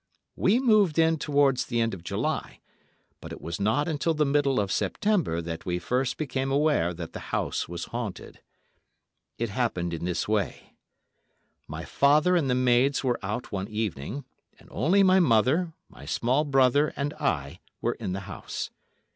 We moved in towards the end of July, but it was not until the middle of September that we first became aware that the house was haunted. It happened in this way: My father and the maids were out one evening, and only my mother, my small brother and I were in the house.